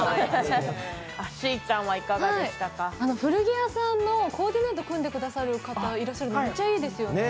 古着屋さんのコーディネート組んでくださる方、めっちゃいいですよね。